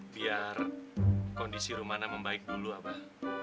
biar kondisi rumahnya membaik dulu abah